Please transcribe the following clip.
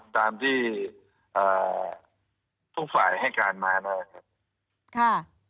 ตามที่ทุกฝ่ายให้การมานะครับ